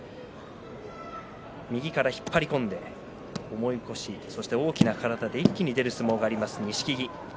右から引っ張り込んで重い腰、そして大きな体で一気に出る相撲があります、錦木。